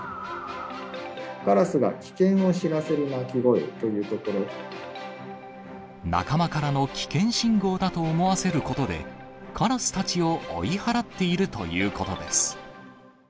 カラスが危険を知らせる鳴き仲間からの危険信号だと思わせることで、カラスたちを追い払っているということです。